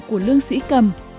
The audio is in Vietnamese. của lương sĩ cầm